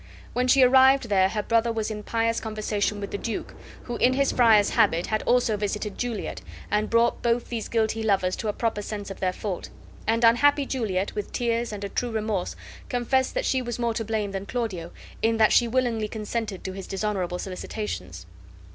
When she arrived there her brother was in pious conversation with the duke, who in his friar's habit had also visited Juliet and brought both these guilty lovers to a proper sense of their fault; and unhappy Juliet with tears and a true remorse confessed that she was more to blame than Claudio, in that she willingly consented to his dishonorable solicitations.